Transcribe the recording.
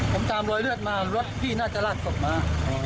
ผมตามรอยเลือดมารถพี่น่าจะลากศพมา